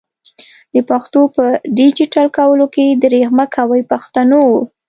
د پښتو په ډيجيټل کولو کي درېغ مکوئ پښتنو!